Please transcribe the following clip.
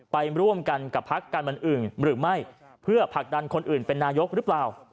ไปร่วมกันกับพักการเมืองอื่นหรือไม่เพื่อผลักดันคนอื่นเป็นนายกหรือเปล่า